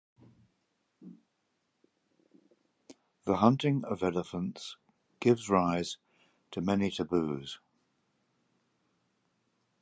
The hunting of elephants gives rise to many taboos.